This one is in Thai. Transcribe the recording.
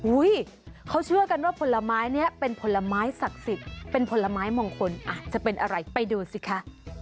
เขาเชื่อกันว่าผลไม้นี้เป็นผลไม้ศักดิ์สิทธิ์เป็นผลไม้มงคลอาจจะเป็นอะไรไปดูสิคะ